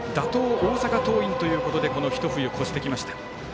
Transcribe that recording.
・大阪桐蔭ということでこのひと冬、越してきました。